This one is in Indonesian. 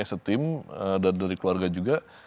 as a team dan dari keluarga juga